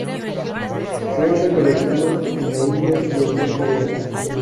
Se ha recolectado en la India y el norte de África.